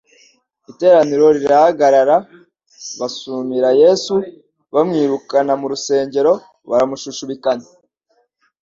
Iteraniro rirahagarara, basumira Yesu bamwirukana mu rusengero baramushushubikanya,